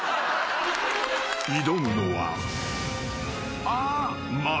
［挑むのは］